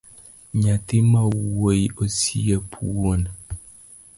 Nyathi mawuoyi osiep wuon